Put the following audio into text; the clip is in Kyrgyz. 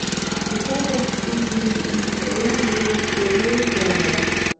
Исаков ТВЕА менен иштөөнү суранган.